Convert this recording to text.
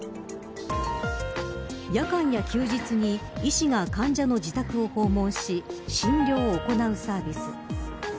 夜間や休日に医師が患者の自宅を訪問し診療を行うサービス。